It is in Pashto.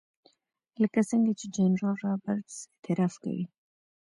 لکه څنګه چې جنرال رابرټس اعتراف کوي.